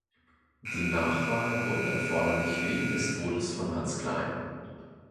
Die Nachwahl wurde erforderlich wegen des Todes von Hans Klein.